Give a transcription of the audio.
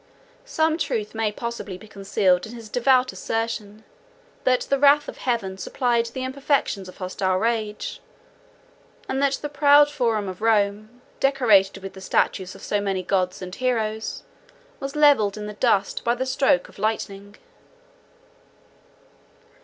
Some truth may possibly be concealed in his devout assertion, that the wrath of Heaven supplied the imperfections of hostile rage; and that the proud Forum of Rome, decorated with the statues of so many gods and heroes, was levelled in the dust by the stroke of lightning.